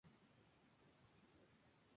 Se suelen servir con limón.